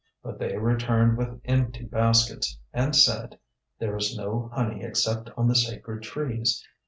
But they returned with empty baskets and said, "There is no honey except on the sacred trees.